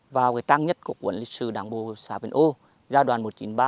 vào trang nhất của quận lịch sử đảng bộ xã miền âu gia đoàn một nghìn chín trăm ba mươi hai nghìn hai mươi